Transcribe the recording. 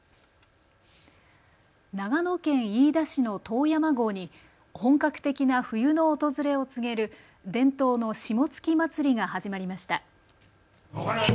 長野県飯田市の遠山郷に本格的な冬の訪れを告げる伝統の霜月祭りが始まりました。